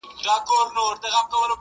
• مينه مني ميني څه انكار نه كوي؛